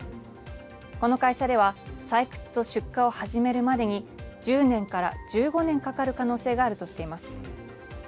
この会社では採掘と出荷を始めるまでに１０年から１５年かかる可能性があるとしています。